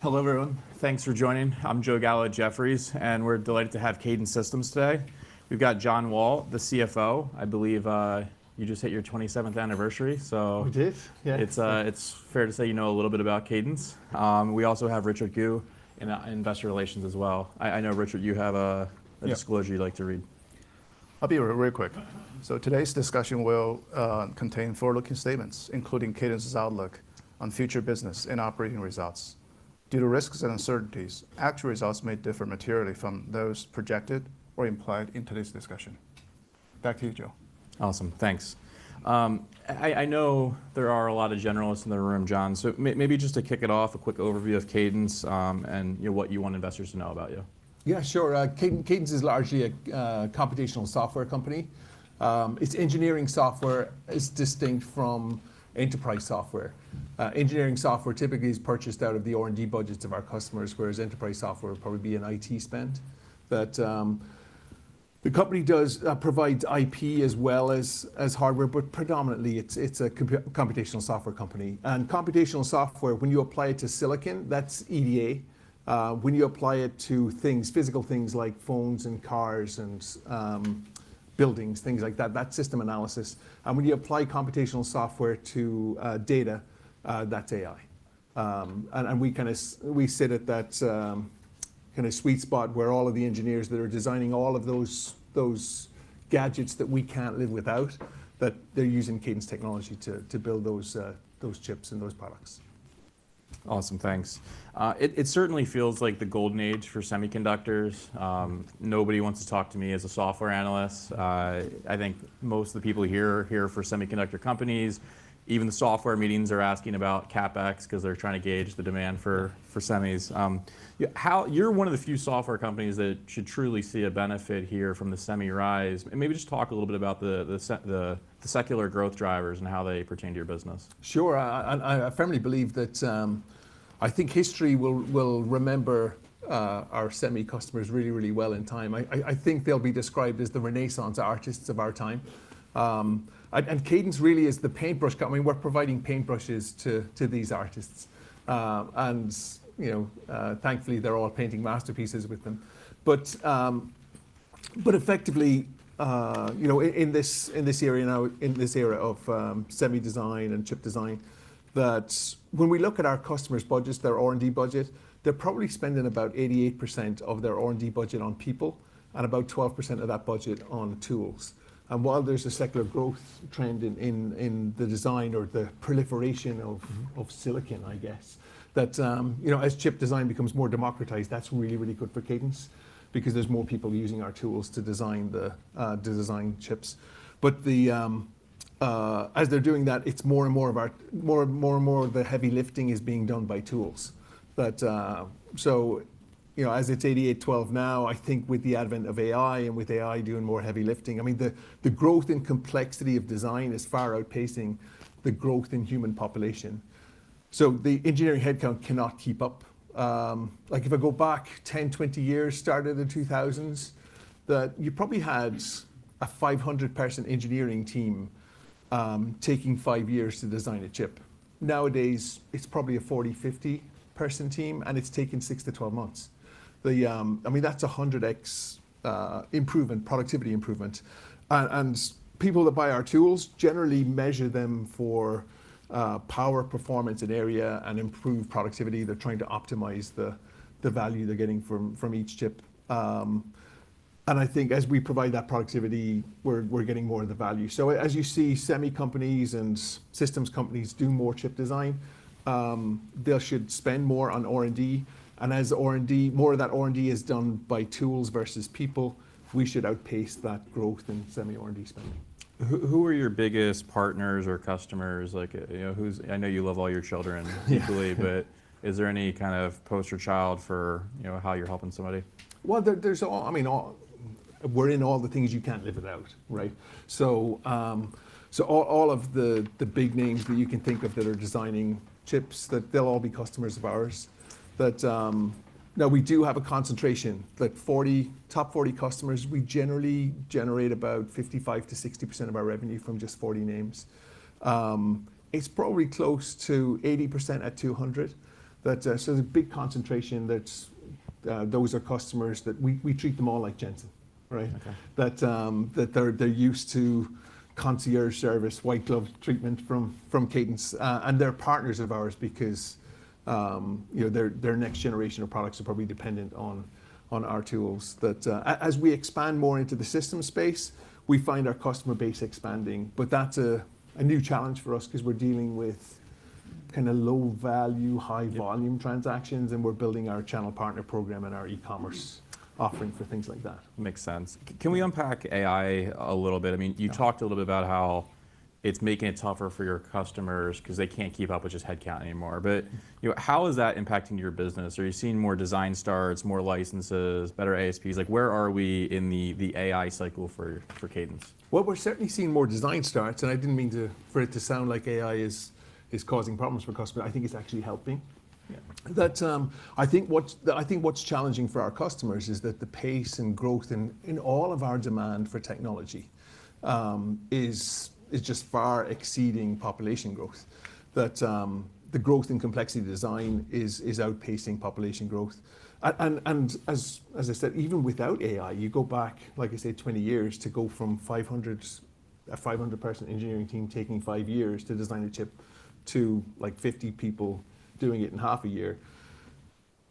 Hello, everyone. Thanks for joining. I'm Joe Gallo at Jefferies, and we're delighted to have Cadence Design Systems today. We've got John Wall, the CFO. I believe you just hit your 27th anniversary, so- I did. Yeah. It's fair to say you know a little bit about Cadence. We also have Richard Gu in investor relations as well. I know, Richard, you have a- Yeah - a disclosure you'd like to read. I'll be really, really quick. So today's discussion will contain forward-looking statements, including Cadence's outlook on future business and operating results. Due to risks and uncertainties, actual results may differ materially from those projected or implied in today's discussion. Back to you, Joe. Awesome. Thanks. I know there are a lot of generals in the room, John, so maybe just to kick it off, a quick overview of Cadence, and, you know, what you want investors to know about you. Yeah, sure. Cadence is largely a computational software company. It's engineering software. It's distinct from enterprise software. Engineering software typically is purchased out of the R&D budgets of our customers, whereas enterprise software would probably be an IT spend. But the company does provide IP as well as hardware, but predominantly, it's a computational software company. And computational software, when you apply it to silicon, that's EDA. When you apply it to things, physical things like phones and cars and buildings, things like that, that's system analysis. And when you apply computational software to data, that's AI. We kinda sit at that kinda sweet spot where all of the engineers that are designing all of those gadgets that we can't live without are using Cadence technology to build those chips and those products. Awesome, thanks. It certainly feels like the golden age for semiconductors. Nobody wants to talk to me as a software analyst. I think most of the people here are here for semiconductor companies. Even the software meetings are asking about CapEx because they're trying to gauge the demand for semis. Yeah, you're one of the few software companies that should truly see a benefit here from the semi rise, and maybe just talk a little bit about the secular growth drivers and how they pertain to your business. Sure. I firmly believe that I think history will remember our semi customers really, really well in time. I think they'll be described as the Renaissance artists of our time. And Cadence really is the paintbrush company. We're providing paintbrushes to these artists. And you know, thankfully, they're all painting masterpieces with them. But effectively, you know, in this era, now, in this era of semi design and chip design, that when we look at our customers' budgets, their R&D budget, they're probably spending about 88% of their R&D budget on people and about 12% of that budget on tools. And while there's a secular growth trend in the design or the proliferation of silicon, I guess, you know, as chip design becomes more democratized, that's really, really good for Cadence because there's more people using our tools to design the to design chips. But the, as they're doing that, it's more and more of our—more and more and more of the heavy lifting is being done by tools. But, so, you know, as it's 88/12 now, I think with the advent of AI and with AI doing more heavy lifting, I mean, the growth in complexity of design is far outpacing the growth in human population. So the engineering headcount cannot keep up. Like, if I go back 10-20 years, started in the 2000s, that you probably had a 500-person engineering team, taking 5 years to design a chip. Nowadays, it's probably a 40, 50-person team, and it's taking 6-12 months. I mean, that's a 100x improvement, productivity improvement. And, and people that buy our tools generally measure them for power, performance, and area, and improved productivity. They're trying to optimize the, the value they're getting from, from each chip. And I think as we provide that productivity, we're, we're getting more of the value. So as you see, semi companies and systems companies do more chip design, they should spend more on R&D. And as R&D, more of that R&D is done by tools versus people, we should outpace that growth in semi R&D spending. Who are your biggest partners or customers? Like, you know, who's, I know you love all your children equally, but is there any kind of poster child for, you know, how you're helping somebody? Well, we're in all the things you can't live without, right? So, the big names that you can think of that are designing chips, that they'll all be customers of ours. But, now, we do have a concentration, like 40, top 40 customers, we generally generate about 55%-60% of our revenue from just 40 names. It's probably close to 80% at 200, but, so there's a big concentration that, those are customers that we treat them all like Jensen, right? Okay. That they're used to concierge service, white glove treatment from Cadence, and they're partners of ours because, you know, their next generation of products are probably dependent on our tools. That, as we expand more into the system space, we find our customer base expanding, but that's a new challenge for us because we're dealing with kinda low-value, high-volume- Yeah... transactions, and we're building our channel partner program and our e-commerce offering for things like that. Makes sense. Yeah. Can we unpack AI a little bit? Yeah. I mean, you talked a little bit about how it's making it tougher for your customers because they can't keep up with just headcount anymore. But, you know, how is that impacting your business? Are you seeing more design starts, more licenses, better ASPs? Like, where are we in the AI cycle for Cadence? Well, we're certainly seeing more design starts, and I didn't mean to, for it to sound like AI is causing problems for customers. I think it's actually helping. Yeah. But, I think what's, I think what's challenging for our customers is that the pace and growth in, in all of our demand for technology, is, is just far exceeding population growth. That, the growth in complexity design is, is outpacing population growth. And, and, as, as I said, even without AI, you go back, like I said, 20 years, to go from 500- a 500-person engineering team taking 5 years to design a chip, to, like, 50 people doing it in half a year.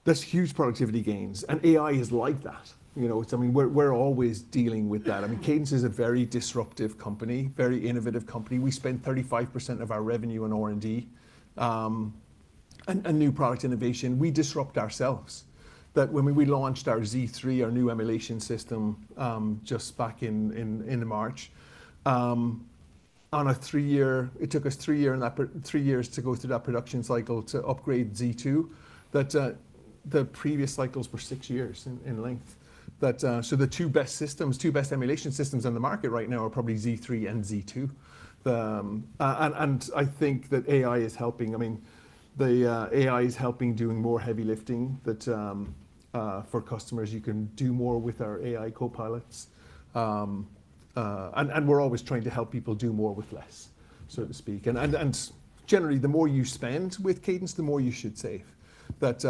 That's huge productivity gains, and AI is like that. You know, it's, I mean, we're, we're always dealing with that. I mean, Cadence is a very disruptive company, very innovative company. We spend 35% of our revenue on R&D, and, and new product innovation. We disrupt ourselves. That when we launched our Z3, our new emulation system, just back in March, it took us three years to go through that production cycle to upgrade Z2, that the previous cycles were six years in length. That so the two best systems, two best emulation systems on the market right now are probably Z3 and Z2. And I think that AI is helping. I mean, the AI is helping doing more heavy lifting that for customers, you can do more with our AI copilots. And we're always trying to help people do more with less, so to speak. And generally, the more you spend with Cadence, the more you should save. That...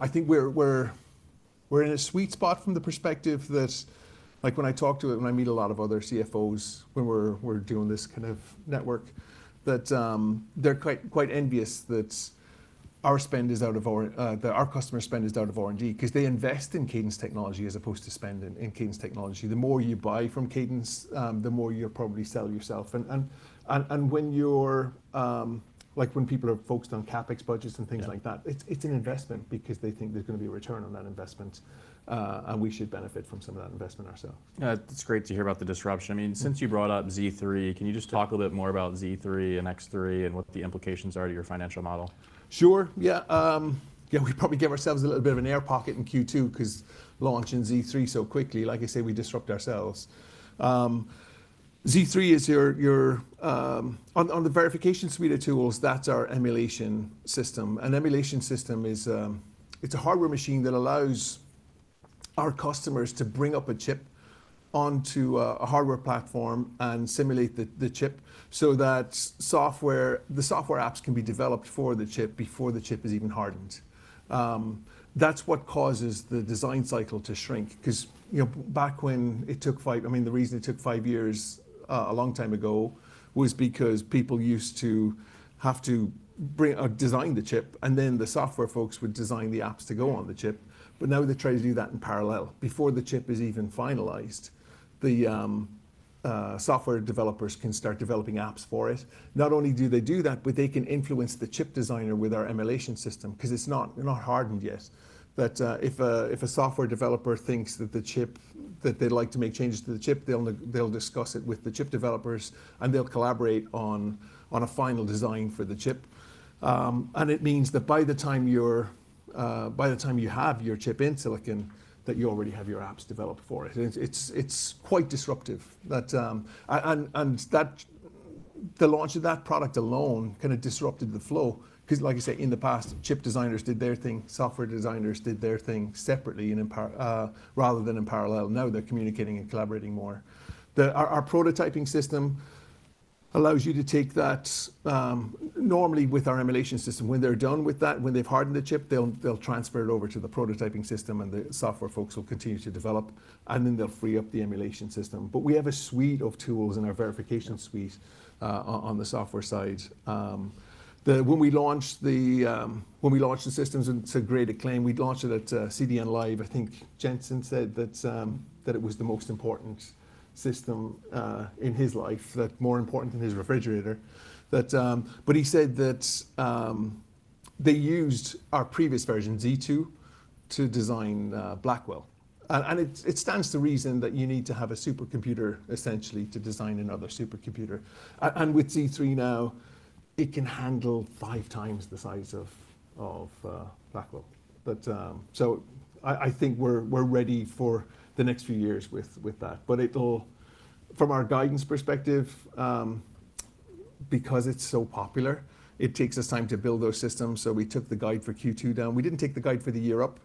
I think we're in a sweet spot from the perspective that, like, when I talk to and when I meet a lot of other CFOs, when we're doing this kind of network, that they're quite envious that our customer spend is out of R&D. 'Cause they invest in Cadence technology as opposed to spending in Cadence technology. The more you buy from Cadence, the more you'll probably sell yourself. And when you're, like when people are focused on CapEx budgets and things like that- Yeah. It's an investment because they think there's gonna be a return on that investment, and we should benefit from some of that investment ourselves. It's great to hear about the disruption. I mean, since you brought up Z3, can you just talk a little bit more about Z3 and X3 and what the implications are to your financial model? Sure, yeah. Yeah, we probably gave ourselves a little bit of an air pocket in Q2, 'cause launching Z3 so quickly, like I say, we disrupt ourselves. Z3 is... On the verification suite of tools, that's our emulation system. An emulation system is, it's a hardware machine that allows our customers to bring up a chip onto a hardware platform and simulate the chip so that software, the software apps can be developed for the chip before the chip is even hardened. That's what causes the design cycle to shrink, 'cause, you know, back when it took five-- I mean, the reason it took five years, a long time ago, was because people used to have to bring, design the chip, and then the software folks would design the apps to go on the chip. But now they try to do that in parallel. Before the chip is even finalized, software developers can start developing apps for it. Not only do they do that, but they can influence the chip designer with our emulation system, 'cause it's not hardened yet. But if a software developer thinks that the chip that they'd like to make changes to the chip, they'll discuss it with the chip developers, and they'll collaborate on a final design for the chip. And it means that by the time you have your chip in silicon, that you already have your apps developed for it. It's quite disruptive that... And that, the launch of that product alone kind of disrupted the flow, 'cause like you say, in the past, chip designers did their thing, software designers did their thing separately rather than in parallel. Now they're communicating and collaborating more. Our prototyping system allows you to take that. Normally, with our emulation system, when they're done with that, when they've hardened the chip, they'll transfer it over to the prototyping system, and the software folks will continue to develop, and then they'll free up the emulation system. But we have a suite of tools in our verification suite on the software side. When we launched the systems, and it's a great acclaim, we launched it at CDNLive. I think Jensen said that, that it was the most important system, in his life, that more important than his refrigerator. That, but he said that, they used our previous version, Z2, to design, Blackwell. And, and it, it stands to reason that you need to have a supercomputer, essentially, to design another supercomputer. And with Z3 now, it can handle five times the size of, of, Blackwell. But, so I, I think we're, we're ready for the next few years with, with that. But it'll, from our guidance perspective, because it's so popular, it takes us time to build those systems, so we took the guide for Q2 down. We didn't take the guide for the year up,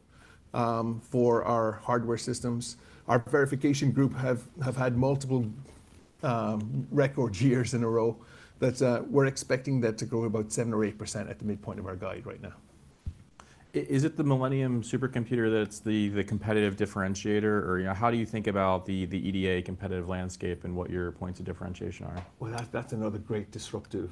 for our hardware systems. Our verification group have had multiple record years in a row, but we're expecting that to grow about 7 or 8% at the midpoint of our guide right now. Is it the Millennium supercomputer that's the, the competitive differentiator, or, you know, how do you think about the, the EDA competitive landscape and what your points of differentiation are? Well, that's another great disruptive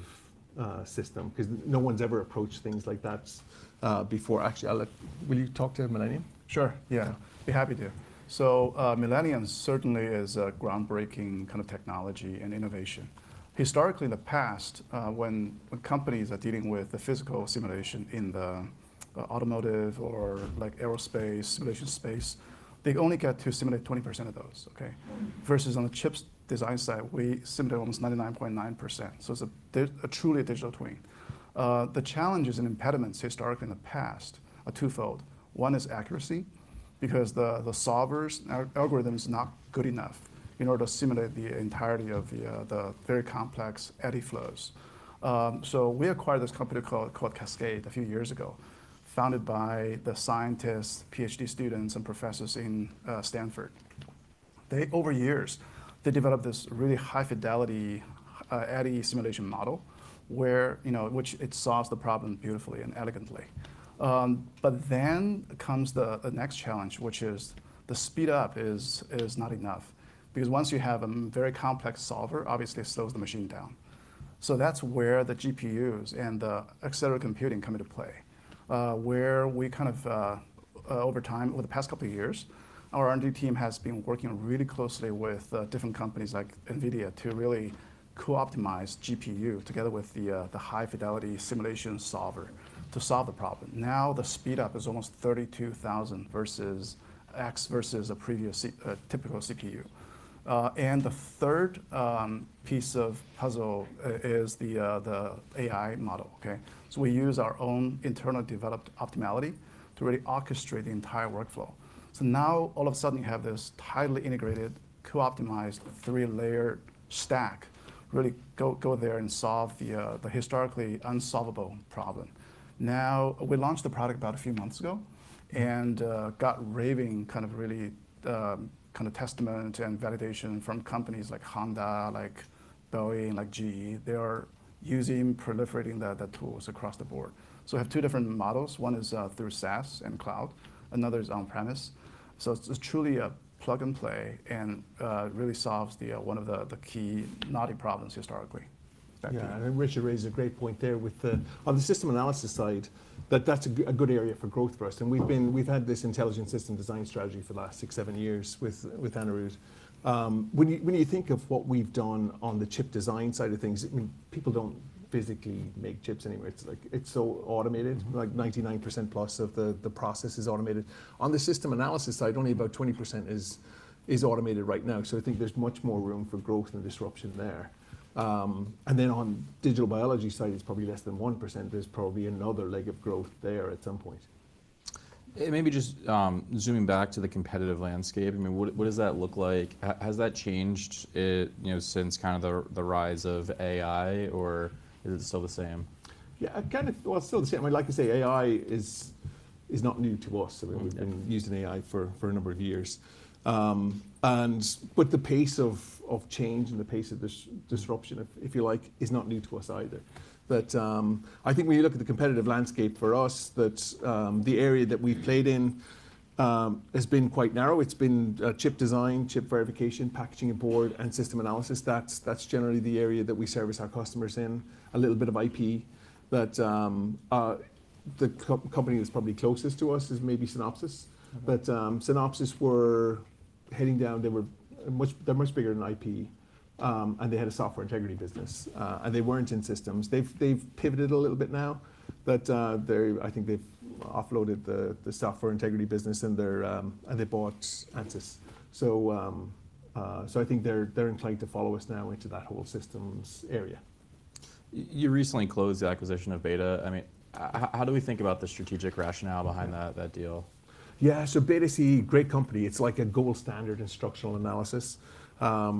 system, 'cause no one's ever approached things like that before. Actually, I'll let... Will you talk to Millennium? Sure. Yeah. Be happy to. So, Millennium certainly is a groundbreaking kind of technology and innovation. Historically, in the past, when companies are dealing with the physical simulation in the automotive or, like, aerospace simulation space, they only get to simulate 20% of those, okay? Versus on the chips design side, we simulate almost 99.9%, so it's a truly digital twin. The challenges and impediments historically in the past are twofold. One is accuracy, because the solver's algorithm is not good enough in order to simulate the entirety of the very complex eddy flows. So we acquired this company called Cascade a few years ago, founded by the scientists, PhD students, and professors in Stanford. They, over years, they developed this really high-fidelity eddy simulation model, where, you know, which it solves the problem beautifully and elegantly. But then comes the next challenge, which is the speed-up is not enough, because once you have a very complex solver, obviously it slows the machine down. So that's where the GPUs and the accelerated computing come into play. Where we kind of, over time, over the past couple of years, our R&D team has been working really closely with different companies like NVIDIA to really co-optimize GPU together with the high-fidelity simulation solver to solve the problem. Now, the speed up is almost 32,000 versus x, versus a previous a typical CPU. And the third piece of puzzle is the AI model, okay? So we use our own internal developed Optimality to really orchestrate the entire workflow. So now, all of a sudden, you have this tightly integrated, co-optimized, three-layered stack, really go there and solve the historically unsolvable problem. Now, we launched the product about a few months ago and got raving, kind of really, kind of testament and validation from companies like Honda, like Boeing, like GE. They are using, proliferating the tools across the board. So we have two different models. One is through SaaS and cloud, another is on-premise. So it's truly a plug-and-play and really solves one of the key knotty problems historically. Thank you. Yeah, and Richard raises a great point there with the... On the system analysis side, that's a good area for growth for us, and we've had this Intelligent System Design strategy for the last 6-7 years with Anirudh. When you think of what we've done on the chip design side of things, I mean, people don't physically make chips anymore. It's like it's so automated, like 99%+ of the process is automated. On the system analysis side, only about 20% is automated right now, so I think there's much more room for growth and disruption there. And then on digital biology side, it's probably less than 1%. There's probably another leg of growth there at some point. Maybe just zooming back to the competitive landscape, I mean, what does that look like? Has that changed, you know, since kind of the rise of AI or is it still the same? Yeah, kind of. Well, still the same. I mean, like I say, AI is not new to us. Mm-hmm. I mean, we've been using AI for a number of years. But the pace of change and the pace of disruption- Mm-hmm... if you like, is not new to us either. But, I think when you look at the competitive landscape for us, that the area that we've played in has been quite narrow. It's been chip design, chip verification, packaging and board, and system analysis. That's generally the area that we service our customers in, a little bit of IP. But, the company that's probably closest to us is maybe Synopsys. Mm-hmm. But Synopsys were heading down. They were much, they're much bigger than IP, and they had a software integrity business. And they weren't in systems. They've pivoted a little bit now, but they—I think they've offloaded the software integrity business, and they're and they bought Ansys. So, so I think they're inclined to follow us now into that whole systems area. You recently closed the acquisition of BETA. I mean, how do we think about the strategic rationale behind that, that deal? Yeah, so BETA CAE, great company. It's like a gold standard in structural analysis. I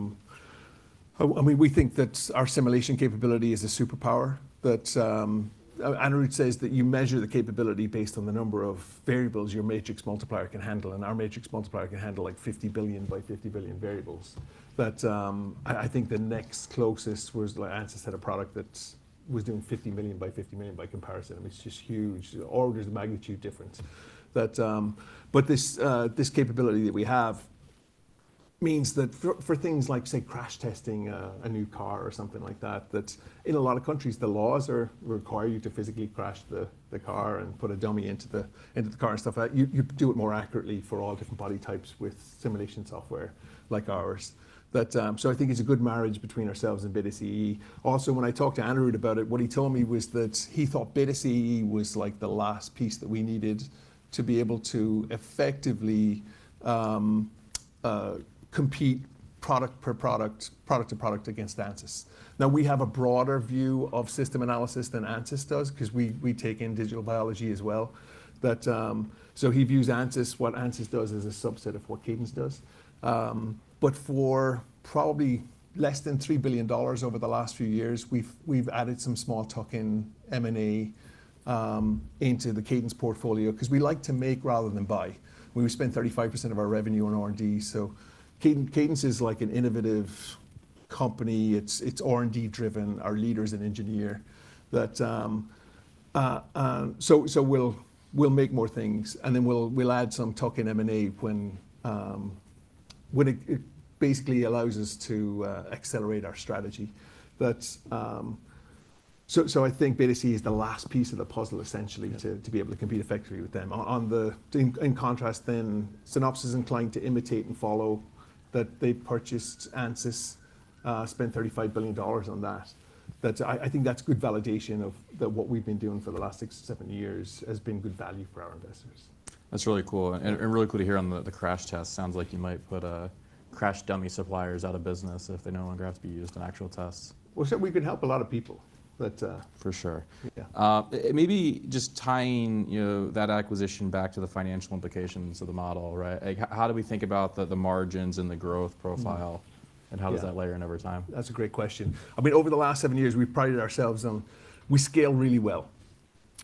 mean, we think that our simulation capability is a superpower, but Anirudh says that you measure the capability based on the number of variables your matrix multiplier can handle, and our matrix multiplier can handle, like, 50 billion by 50 billion variables. But I think the next closest was, like, Ansys had a product that was doing 50 million by 50 million by comparison. I mean, it's just huge. Orders of magnitude difference. But this capability that we have means that for things like, say, crash testing a new car or something like that, that in a lot of countries, the laws require you to physically crash the car and put a dummy into the car and stuff. You do it more accurately for all different body types with simulation software like ours. But, so I think it's a good marriage between ourselves and BETA CAE. Also, when I talked to Anirudh about it, what he told me was that he thought BETA CAE was, like, the last piece that we needed to be able to effectively, compete product per product, product to product against Ansys. Now, we have a broader view of system analysis than Ansys does, 'cause we take in digital biology as well. But, so he views Ansys, what Ansys does, as a subset of what Cadence does. But for probably less than $3 billion over the last few years, we've added some small tuck-in M&A into the Cadence portfolio, 'cause we like to make rather than buy. We spend 35% of our revenue on R&D, so Cadence is like an innovative company. It's R&D-driven. Our leader is an engineer. But we'll make more things, and then we'll add some tuck-in M&A when it basically allows us to accelerate our strategy. But I think BETA CAE is the last piece of the puzzle, essentially- Yeah... to be able to compete effectively with them. In contrast, Synopsys is inclined to imitate and follow that they purchased Ansys, spent $35 billion on that. That's, I think that's good validation of that what we've been doing for the last six to seven years has been good value for our investors. That's really cool, and really cool to hear on the crash test. Sounds like you might put crash dummy suppliers out of business if they no longer have to be used in actual tests. Well, we could help a lot of people, but, For sure. Yeah. And maybe just tying, you know, that acquisition back to the financial implications of the model, right? Like, how do we think about the, the margins and the growth profile- Mm-hmm... and how does that layer in over time? Yeah. That's a great question. I mean, over the last 7 years, we've prided ourselves on, we scale really well.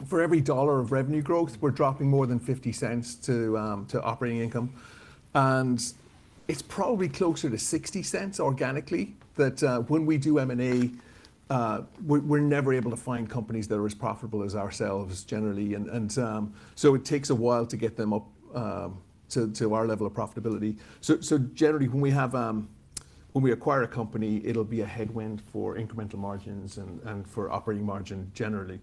For every $1 of revenue growth, we're dropping more than $0.50 to operating income, and it's probably closer to $0.60 organically, when we do M&A, we're never able to find companies that are as profitable as ourselves, generally, and so it takes a while to get them up to our level of profitability. So generally, when we acquire a company, it'll be a headwind for incremental margins and for operating margin, generally.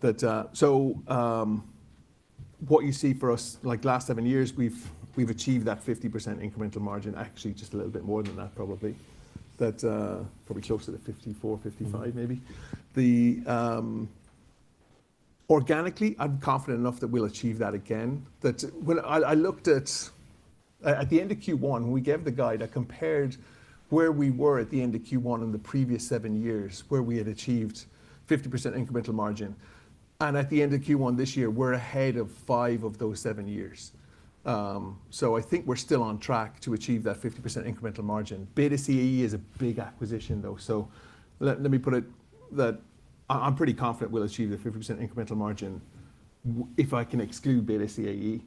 But so what you see for us, like last 7 years, we've achieved that 50% incremental margin. Actually, just a little bit more than that, probably. Probably closer to 54%-55%, maybe. The organically, I'm confident enough that we'll achieve that again. Well, I looked at the end of Q1, we gave the guide that compared where we were at the end of Q1 in the previous 7 years, where we had achieved 50% incremental margin, and at the end of Q1 this year, we're ahead of 5 of those 7 years. So I think we're still on track to achieve that 50% incremental margin. BETA CAE is a big acquisition, though, so let me put it that I'm pretty confident we'll achieve the 50% incremental margin if I can exclude BETA CAE.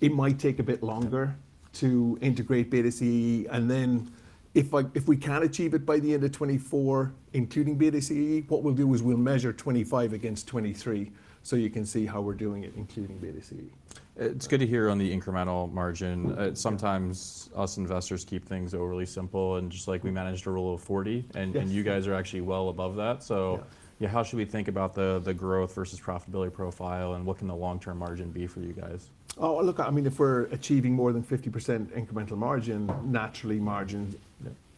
It might take a bit longer to integrate BETA CAE, and then if we can't achieve it by the end of 2024, including BETA CAE, what we'll do is we'll measure 2025 against 2023, so you can see how we're doing it, including BETA CAE. It's good to hear on the incremental margin. Yeah. Sometimes we investors keep things overly simple, and just like we managed a rule of 40- Yes... and you guys are actually well above that. Yeah. So, yeah, how should we think about the growth versus profitability profile, and what can the long-term margin be for you guys? Oh, look, I mean, if we're achieving more than 50% incremental margin, naturally margin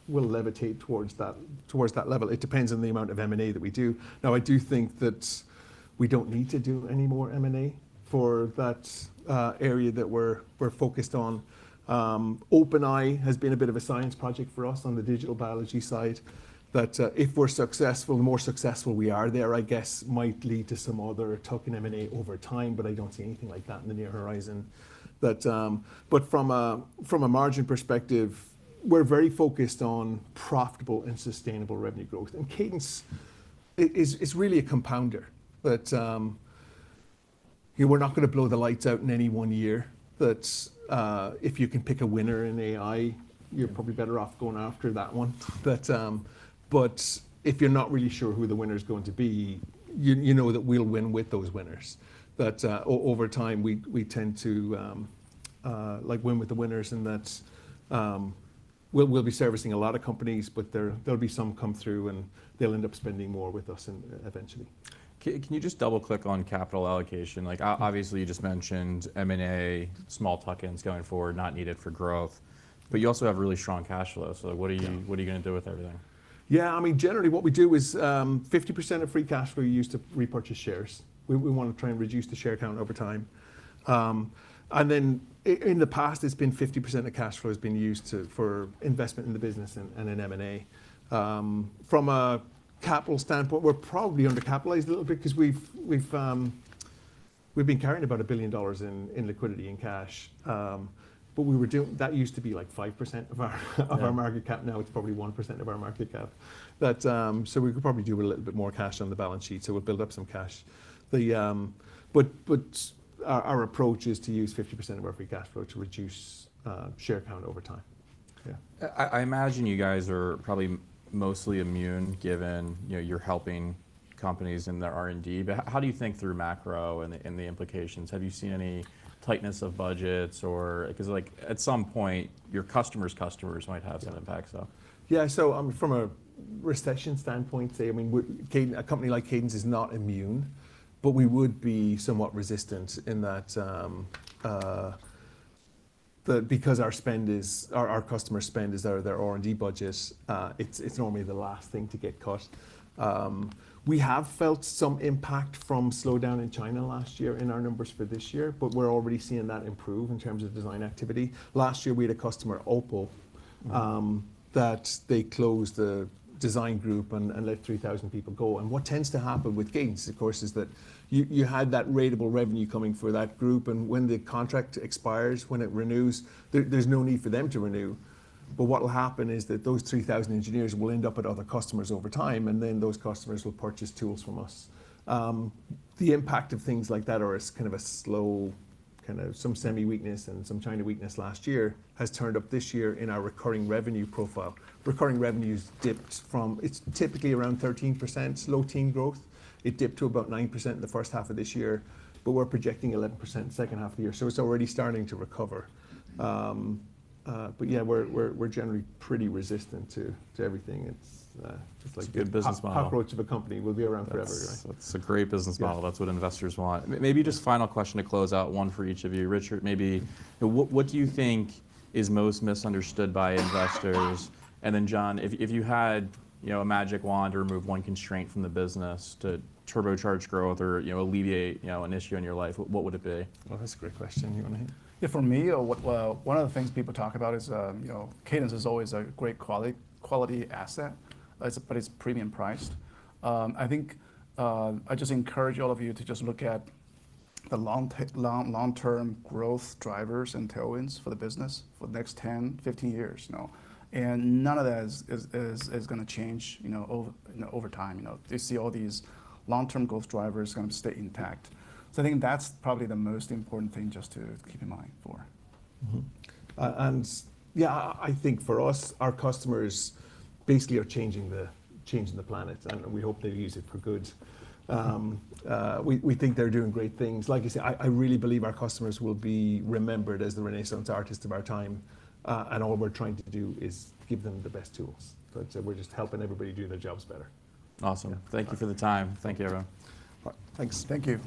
will levitate towards that, towards that level. It depends on the amount of M&A that we do. Now, I do think that we don't need to do any more M&A for that, area that we're focused on. OpenEye has been a bit of a science project for us on the digital biology side, but, if we're successful, the more successful we are there, I guess, might lead to some other tuck-in M&A over time, but I don't see anything like that in the near horizon. But, but from a, from a margin perspective, we're very focused on profitable and sustainable revenue growth. And Cadence is really a compounder, that, you we're not gonna blow the lights out in any one year. But, if you can pick a winner in AI, you're probably better off going after that one. But, but if you're not really sure who the winner's going to be, you know that we'll win with those winners. But, over time, we tend to like win with the winners, and that's... We'll be servicing a lot of companies, but there'll be some come through, and they'll end up spending more with us eventually. Can you just double-click on capital allocation? Like, obviously, you just mentioned M&A, small tuck-ins going forward, not needed for growth, but you also have really strong cash flow. So what are you- Yeah... what are you gonna do with everything? Yeah, I mean, generally what we do is 50% of free cash flow is used to repurchase shares. We want to try and reduce the share count over time. And then in the past, it's been 50% of cash flow has been used for investment in the business and in M&A. From a capital standpoint, we're probably undercapitalized a little bit because we've been carrying about $1 billion in liquidity and cash, but we were doing... That used to be, like, 5% of our, Yeah... of our market cap. Now, it's probably 1% of our market cap. But, so we could probably do with a little bit more cash on the balance sheet, so we'll build up some cash. The... But, but our, our approach is to use 50% of our free cash flow to reduce share count over time. Yeah. I imagine you guys are probably mostly immune, given, you know, you're helping companies in their R&D, but how do you think through macro and the implications? Have you seen any tightness of budgets or... 'Cause, like, at some point, your customers' customers might have some impact, so. Yeah, so, from a recession standpoint, say, I mean, a company like Cadence is not immune, but we would be somewhat resistant in that, that because our spend is... Our, our customer spend is our, their R&D budgets, it's, it's normally the last thing to get cut. We have felt some impact from slowdown in China last year in our numbers for this year, but we're already seeing that improve in terms of design activity. Last year, we had a customer, OPPO- Mm-hmm... that they closed the design group and, and let 3,000 people go. And what tends to happen with Cadence, of course, is that you, you had that ratable revenue coming for that group, and when the contract expires, when it renews, there, there's no need for them to renew. But what will happen is that those 3,000 engineers will end up at other customers over time, and then those customers will purchase tools from us. The impact of things like that are as kind of a slow, kind of some semi-weakness and some China weakness last year, has turned up this year in our recurring revenue profile. Recurring revenues dipped from- it's typically around 13%, low teen growth. It dipped to about 9% in the first half of this year, but we're projecting 11% second half of the year, so it's already starting to recover. But yeah, we're generally pretty resistant to everything. It's like- Good business model... cockroach of a company. We'll be around forever. That's, that's a great business model. Yeah. That's what investors want. Maybe just final question to close out, one for each of you. Richard, maybe, what, what do you think is most misunderstood by investors? And then, John, if, if you had, you know, a magic wand to remove one constraint from the business to turbocharge growth or, you know, alleviate, you know, an issue in your life, what, what would it be? Well, that's a great question. Yeah, for me, what, well, one of the things people talk about is, you know, Cadence is always a great quality asset, but it's premium priced. I think I just encourage all of you to just look at the long-term growth drivers and tailwinds for the business for the next 10, 15 years, you know. And none of that is gonna change, you know, over time. You know, you see all these long-term growth drivers going to stay intact. So I think that's probably the most important thing just to keep in mind. Mm-hmm. Yeah, I think for us, our customers basically are changing the planet, and we hope they use it for good. We think they're doing great things. Like you said, I really believe our customers will be remembered as the Renaissance artists of our time, and all we're trying to do is give them the best tools. So we're just helping everybody do their jobs better. Awesome. Yeah. Thank you for the time. Thank you, everyone. Thanks. Thank you.